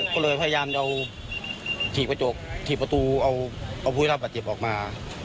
ก็เลยพยายามถีกประตูเอาผู้ยิ่งราบบาดเจ็บออกมา